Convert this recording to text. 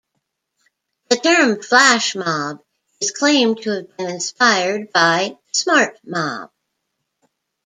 The term "flash mob" is claimed to have been inspired by "smart mob".